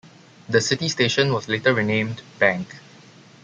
The "City" station was later renamed "Bank".